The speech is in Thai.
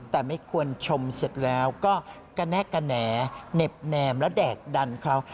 แต่ไม่ควรชมเสร็จแล้วก็แกน่แนบแนมแล้วแดกดันเขา